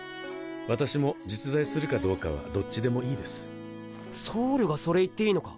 私も実在するかどうかはどっちでもいいで僧侶がそれ言っていいのか？